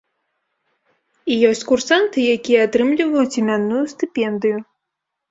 І ёсць курсанты, якія атрымліваюць імянную стыпендыю.